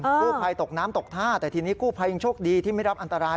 กู้ภัยตกน้ำตกท่าแต่ทีนี้กู้ภัยยังโชคดีที่ไม่รับอันตราย